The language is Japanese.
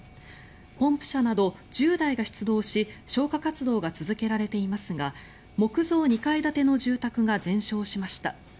ポンプ車など１０台が出動し消火活動が続けられていますが木造２階建ての住宅が全焼しました。